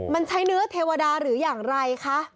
มันใช้เนื้อเทวดาหรืออย่างไรคะ